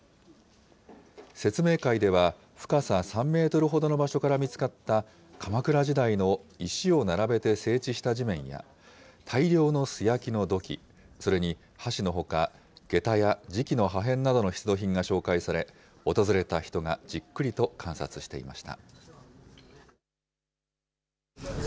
説明会では、深さ３メートルほどの場所から見つかった鎌倉時代の石を並べて整地した地面や、大量の素焼きの土器、それに箸のほか、げたや磁器の破片などの出土品が紹介され、訪れた人がじっくりと観察していました。